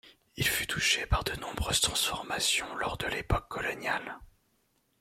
Il fut touché par de nombreuses transformations lors de l'époque coloniale.